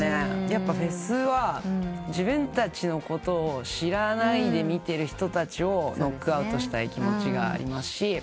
やっぱフェスは自分たちのことを知らないで見てる人たちをノックアウトしたい気持ちがありますし。